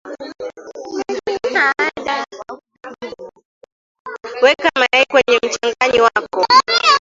weka mayai kwenye mchanganyi wako